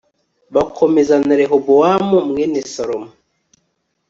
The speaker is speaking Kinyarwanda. bakomeza na rehobowamu mwene salomo